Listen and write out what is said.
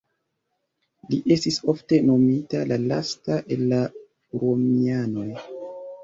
Li estis ofte nomita "la lasta el la Romianoj".